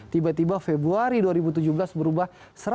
tiba tiba februari dua ribu tujuh belas berubah